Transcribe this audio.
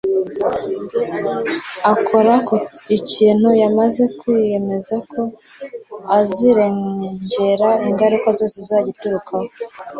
Akora ikintu yamaze kwiyemeza ko azirengera ingaruka zose zizagiturukaho